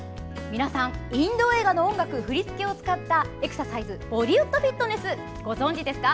皆さん、インド映画の音楽振り付けを使ったエクササイズボリウッドフィットネスご存じですか？